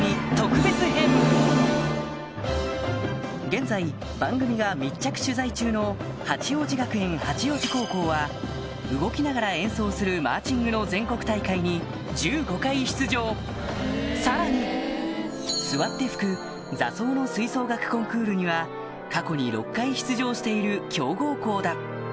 現在番組が密着取材中の八王子学園八王子高校は動きながら演奏するマーチングの全国大会に１５回出場さらに座って吹く座奏の吹奏楽コンクールには過去に６回出場している強豪校だ